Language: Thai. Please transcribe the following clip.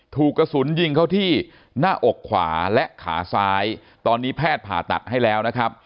ถูกกระสุนยิงเข้าที่หน้าอกขวาและขาซ้ายตอนนี้แพทย์ผ่าตัดให้แล้วนะครับ